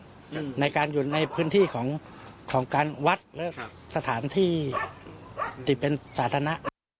ในการอยู่ในพื้นที่ของของการวัดหรือครับสถานที่ที่เป็นสาธารณะ